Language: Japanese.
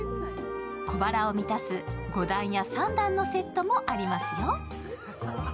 小腹を満たす５段や３段のセットもありますよ。